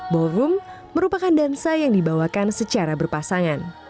ballroom merupakan dansa yang dibawakan secara berpasangan